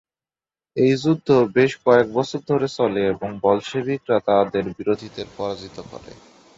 এই যুদ্ধ বেশ কয়েকবছর ধরে চলে এবং বলশেভিকরা তাদের বিরোধীদের পরাজিত করে।